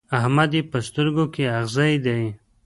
احمد يې په سترګو کې اغزی دی.